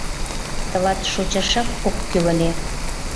Тылат шочашак ок кӱл ыле.